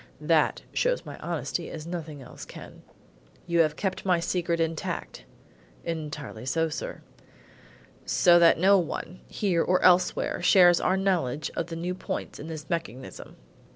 That shows my honesty as nothing else can." "You have kept my secret intact?" "Entirely so, sir." "So that no one, here or elsewhere, shares our knowledge of the new points in this mechanism?"